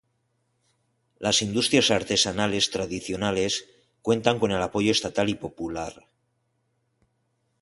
Las industrias artesanales tradicionales cuentan con el apoyo estatal y popular.